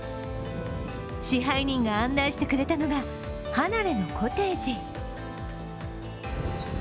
支配人が案内してくれたのが離れのコテージ。